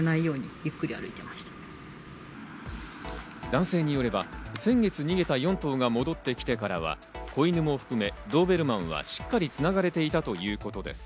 男性によれば先月逃げた４頭が戻ってきてからは子犬も含めドーベルマンはしっかり繋がれていたということです。